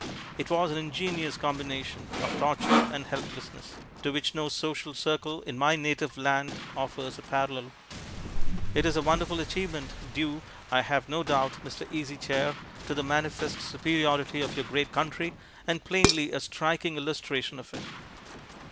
It was an ingenious combination of torture and helplessness, to which no social circle in my native land offers a parallel. It is a wonderful achievement, due, I have no doubt, Mr. Easy Chair, to the manifest superiority of your great country, and plainly a striking illustration of it.